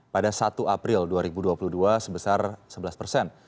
pada satu april dua ribu dua puluh dua sebesar sebelas persen